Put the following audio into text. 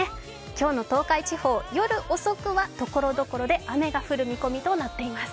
今日の東海地方、夜遅くは所々で雨が降る予想となっています。